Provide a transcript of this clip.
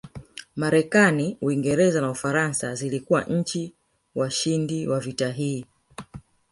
Marekani Uingereza na Ufaransa zilikuwa nchi washindi wa vita hii